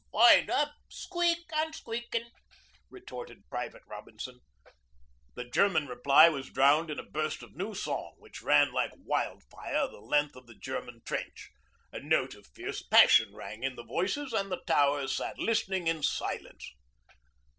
'Vind op squeak, an' squeakin',' retorted Private Robinson. The German reply was drowned in a burst of new song which ran like wild fire the length of the German trench. A note of fierce passion rang in the voices, and the Towers sat listening in silence.